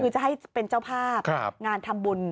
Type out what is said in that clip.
คือจะให้เป็นเจ้าภาพงานทำบุญ